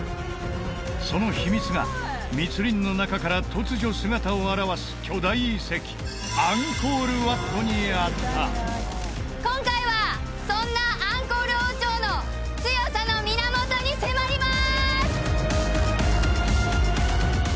その秘密が密林の中から突如姿を現す巨大遺跡アンコール・ワットにあった今回はそんなアンコール王朝の強さの源に迫ります！